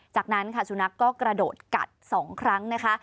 จากนั้นค่ะสุนัขก็กระโดดกัด๒ครั้งนะคะ